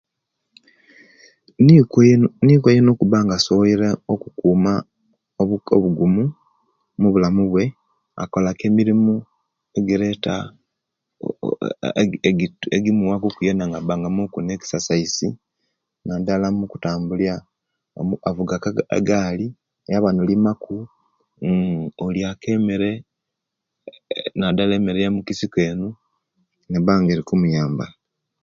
Nikwo eino okuba nga asobwoire okukuma obuka obugumu mubulamu bwe akola ku emirimu egireta egimuwa muku yena nga abaku ne exercise nadala mukutambulya avuga ku egali, ayaba nalimaku, olya ku emere nadala emere eyamukisiko enu neba nga erikumuyamba